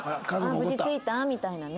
「無事着いた？」みたいなね。